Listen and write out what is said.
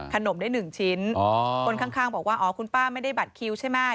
ขนมได้หนึ่งชิ้นคนข้างบอกว่าอ๋อคุณป้าไม่ได้บัตรคิวใช่ไหม